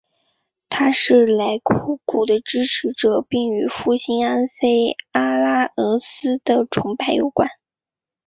他是莱库古的支持者并与复兴安菲阿拉俄斯的崇拜有关。